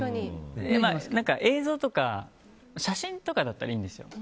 映像とか写真とかだったらいいんですよ。